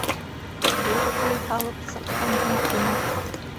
Ҙур өй һалып сыҡҡанһың, - тине.